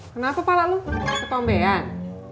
kenapa pala lu ketombean